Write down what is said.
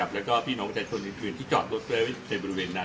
และก็พี่น้องปั๊ดแทนชนนี้คืนที่จอดรถกระเวชในบริเวณนั้น